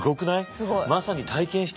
すごい。